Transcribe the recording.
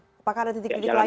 apakah ada titik titik lain